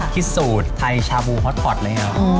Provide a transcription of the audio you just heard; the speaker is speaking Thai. ที่สูตรไทยชาบูฮอทพอตอะไรอย่างนี้